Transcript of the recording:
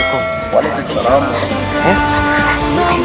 ini drama dari nama nabi muhammad